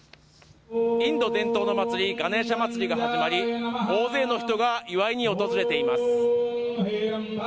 インド伝統の祭り、ガネーシャ祭りが始まり、大勢の人が祝いに訪れています。